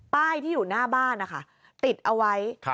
ป้ายที่อยู่หน้าบ้านนะคะติดเอาไว้